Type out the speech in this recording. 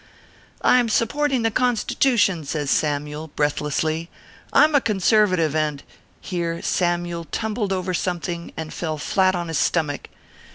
" I m supporting the Constitution," says Samyule, breathlessly, "I m a conservative, and ." Here Samyule tumbled over something and fell flat on his stomach.